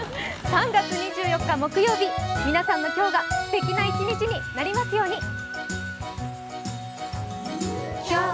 ３月２４日木曜日皆さんの今日がすてきな一日になりますように。